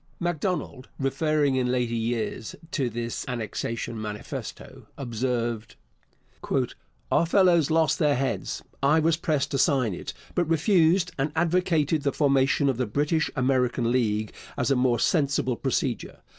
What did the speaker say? Macdonald, referring in later years to this Annexation manifesto, observed: Our fellows lost their heads. I was pressed to sign it, but refused and advocated the formation of the British America League as a more sensible procedure.